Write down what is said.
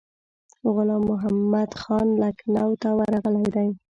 غلام محمدخان لکنهو ته ورغلی دی.